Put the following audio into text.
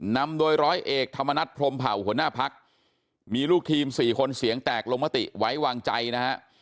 นำโดยร้อยเอกธรรมนัฐพรมเผ่าหัวหน้าพักมีลูกทีม๔คนเสียงแตกลงมติไว้วางใจนะฮะ